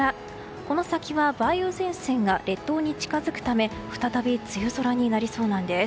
この先は梅雨前線が列島に近づくため再び梅雨空になりそうなんです。